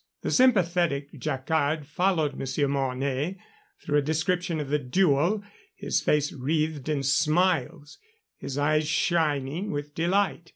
The sympathetic Jacquard followed Monsieur Mornay through a description of the duel, his face wreathed in smiles, his eyes shining with delight.